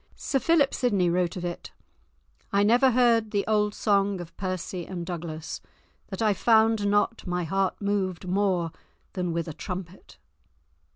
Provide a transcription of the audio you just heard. Sir Philip Sidney wrote of it: "I never heard the old song of Percy and Douglas, that I found not my heart moved more than with a trumpet."